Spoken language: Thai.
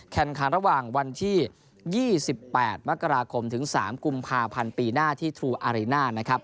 แข่งขันระหว่างวันที่๒๘มกราคมถึง๓กุมภาพันธ์ปีหน้าที่ทรูอารีน่านะครับ